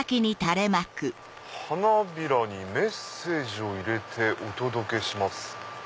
「花びらにメッセージをいれてお届けします」。